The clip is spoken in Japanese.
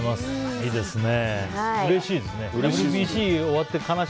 いいですね。